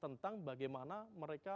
tentang bagaimana mereka kebebasan berpendapat